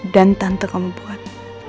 dan tante kamu buat